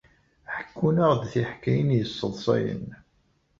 Ḥekkunt-aɣ-d tiḥkayin yesseḍsayen.